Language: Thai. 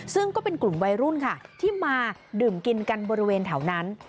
ซึ่งก็เป็นกลุ่มวัยรุ่นค่ะที่มาดื่มกินกันบริเวณแถวนั้น